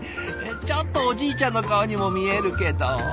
ちょっとおじいちゃんの顔にも見えるけど。